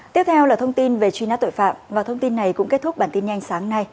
tiếp theo là thông tin về truy nã tội phạm và thông tin này cũng kết thúc bản tin nhanh sáng nay